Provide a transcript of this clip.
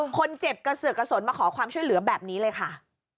คนเจ็บกระเสือกกระสนมาขอความช่วยเหลือแบบนี้เลยค่ะ